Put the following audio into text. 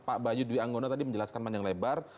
pak bayu dwi anggono tadi menjelaskan panjang lebar